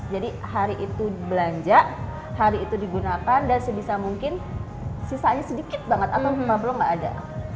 jadi hari itu belanja hari itu digunakan dan sebisa mungkin sisanya sedikit banget atau makhluk gak ada